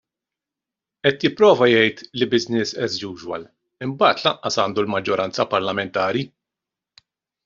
Qed jipprova jgħid li business as usual imbagħad lanqas għandu l-maġġoranza parlamentari.